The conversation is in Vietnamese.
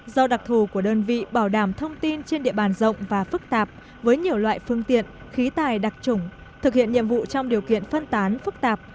do đặc thù của đơn vị bảo đảm thông tin trên địa bàn rộng và phức tạp với nhiều loại phương tiện khí tài đặc trủng thực hiện nhiệm vụ trong điều kiện phân tán phức tạp